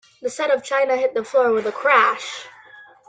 The set of china hit the floor with a crash.